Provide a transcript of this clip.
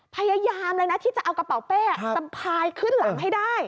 พยายามเลยนะที่จะเอากระเป๋าเป้สะพายขึ้นหลังให้ได้